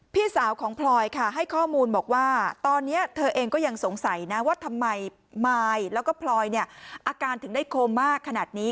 พี่สาวของพลอยค่ะให้ข้อมูลบอกว่าตอนนี้เธอเองก็ยังสงสัยนะว่าทำไมมายแล้วก็พลอยเนี่ยอาการถึงได้โคมมากขนาดนี้